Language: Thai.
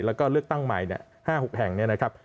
แล้วก็เลือกตั้งใหม่๕๖แห่งนี้นะครับ